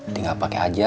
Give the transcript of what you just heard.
tinggal pake aja